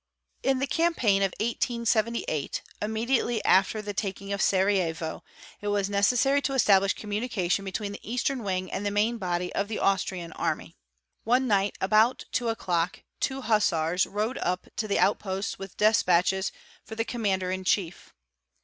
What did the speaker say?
In the campaign of 1878, immediately after the taking of Sarajevo, it was necessary to establish communication between the eastern wing and the main body of the Austrian army. One night about 2 o'clock two _ hussars rode up to the outposts with despatches for the Commander in | Chief.